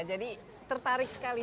jadi tertarik sekali